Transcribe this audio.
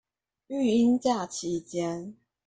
育嬰假期間